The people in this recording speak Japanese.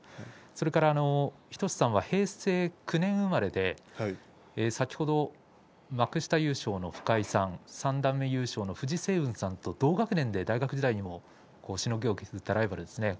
日翔志さんが平成９年生まれで先ほど幕下優勝の深井さん三段目優勝は藤青雲さんと同学年で大学時代にもしのぎを削ったライバルですね。